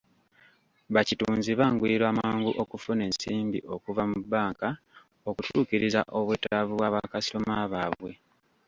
Bakitunzi banguyirwa mangu okufuna ensimbi okuva mu bbanka okutuukiriza ebwetaavu bwa bakasitoma baabwe.